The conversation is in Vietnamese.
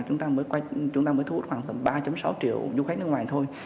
chúng ta mới thu hút khoảng tầm ba sáu triệu du khách nước ngoài thôi